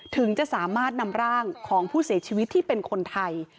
ถึงจะสามารถนำร่างของผู้เสียชีวิตที่เป็นคนไทย